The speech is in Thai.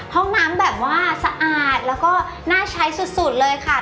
ห้องน้ำแบบว่าสะอาดแล้วก็น่าใช้สุดเลยค่ะ